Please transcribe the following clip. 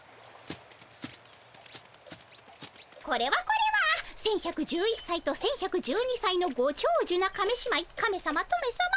これはこれは１，１１１さいと１，１１２さいのごちょうじゅな亀姉妹カメさまトメさま。